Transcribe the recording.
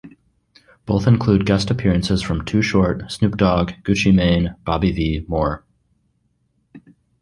Both include guest appearances from Too Short, Snoop Dogg, Gucci Mane, Bobby V more.